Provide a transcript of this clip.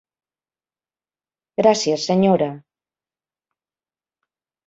Gràcies, senyora.